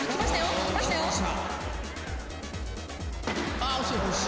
わあ惜しい。